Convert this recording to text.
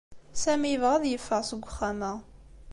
Sami yebɣa ad yeffeɣ seg uxxam-a.